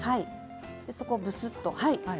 そこを、ぶすっと。